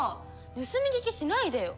盗み聞きしないでよ。